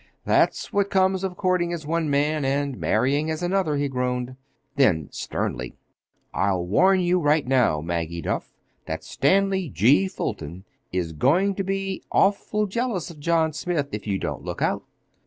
"That's what comes of courting as one man and marrying as another," he groaned. Then, sternly: "I'll warn you right now, Maggie Duff, that Stanley G. Fulton is going to be awfully jealous of John Smith if you don't look out."